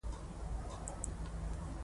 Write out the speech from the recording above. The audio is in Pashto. د هولوګرام تصویر ژوندی ښکاري.